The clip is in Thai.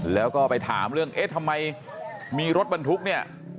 แล้วก็ไปถามเรื่องเอ๊ะทำไมมีรถบรรทุกเนี่ย